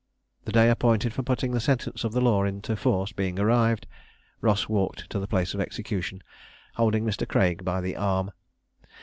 The day appointed for putting the sentence of the law into force being arrived, Ross walked to the place of execution, holding Mr. Craig by the arm.